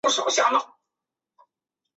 级别越高表明灾害越严重。